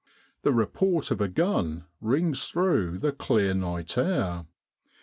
The report of a gun rings through the clear night air.